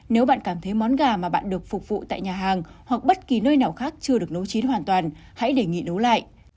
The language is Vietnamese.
nếu bạn cảm thấy món gà mà bạn được phục vụ tại nhà hàng hoặc bất kỳ nơi nào khác chưa được nấu chín hoàn toàn hãy đề nghị nấu lại